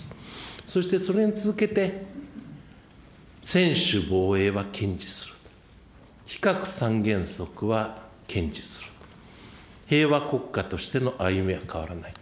そしてそれに続けて、専守防衛は堅持すると、非核三原則は堅持すると、平和国家としての歩みは変わらない。